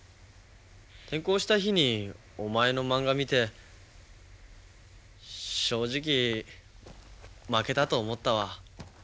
転校した日にお前のまんが見て正直負けたと思ったわ。